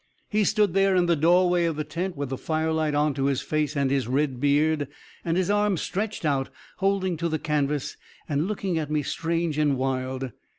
He stood there in the doorway of the tent, with the firelight onto his face and his red beard, and his arms stretched out, holding to the canvas and looking at me strange and wild.